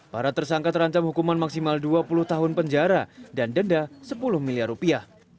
para tersangka terancam hukuman maksimal dua puluh tahun penjara dan denda sepuluh miliar rupiah